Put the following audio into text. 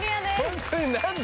ホントに何だ？